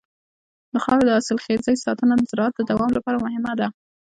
د خاورې د حاصلخېزۍ ساتنه د زراعت د دوام لپاره مهمه ده.